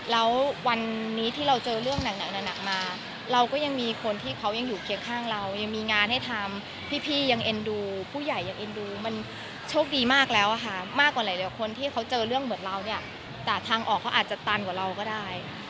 แล้ววันนี้ที่เราเจอเรื่องหนักมาเราก็ยังมีคนที่เขายังอยู่เคียงข้างเรายังมีงานให้ทำพี่ยังเอ็นดูผู้ใหญ่ยังเอ็นดูมันโชคดีมากแล้วค่ะมากกว่าหลายคนที่เขาเจอเรื่องเหมือนเราเนี่ยแต่ทางออกเขาอาจจะตันกว่าเราก็ได้